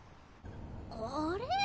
あれ？